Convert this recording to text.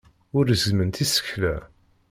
Ur gezzment isekla.